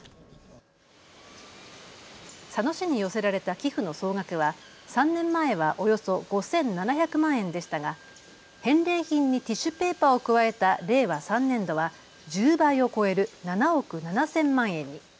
佐野市に寄せられた寄付の総額は３年前はおよそ５７００万円でしたが返礼品にティッシュペーパーを加えた令和３年度は１０倍を超える７億７０００万円に。